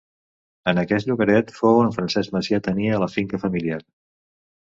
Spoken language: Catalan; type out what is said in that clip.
En aquest llogaret fou on Francesc Macià tenia la finca familiar.